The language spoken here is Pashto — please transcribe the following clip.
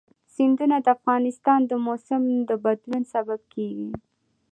سیندونه د افغانستان د موسم د بدلون سبب کېږي.